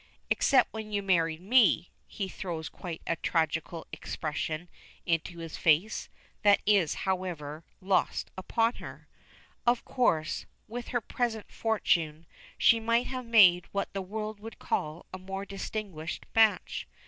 "Except when you married me." He throws quite a tragical expression into his face, that is, however, lost upon her. "Of course, with her present fortune, she might have made what the world would call a more distinguished match.